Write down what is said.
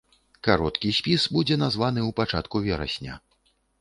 Кароткі спіс будзе названы ў пачатку верасня.